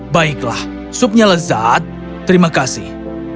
baiklah supnya lezat terima kasih